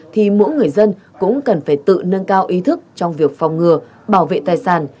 thì mỗi người dân cũng cần phải tự nâng cao ý thức trong việc phòng ngừa bảo vệ tài sản